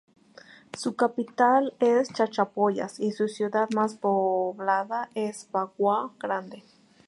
Su capital es Chachapoyas y su ciudad más poblada es Bagua Grande.